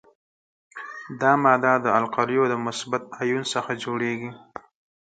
دا ماده د القلیو د مثبت آیون څخه جوړیږي.